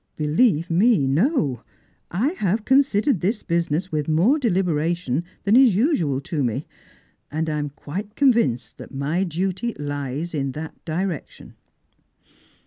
"Believe me, no; I have considered this business with more ieHberation than is usual to me, and I am quite convinced that my duty 1:63 in that direction."